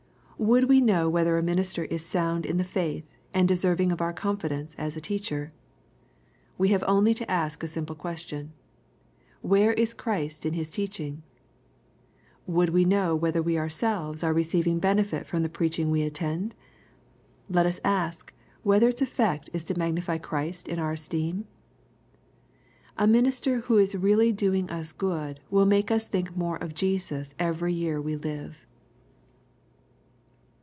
Would we know whether a minister is sound in the faith, and deserving of our confidence as a teacher ? We have only to ask a simple question, Where is Christ in his teaching ?— Would we know whether we ourselves are receiving benefit from the preaching we attend ? Let U8 ask whether its effect is to magnify Christ in our esteem ? A minister who is really doing us good will make us think more of Jesus every year we live.